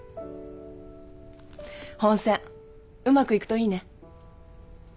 本選うまくいくといいね。